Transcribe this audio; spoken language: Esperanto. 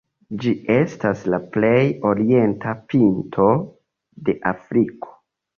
Ĝi estas la plej orienta pinto de Afriko.